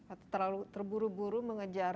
atau terlalu terburu buru mengejar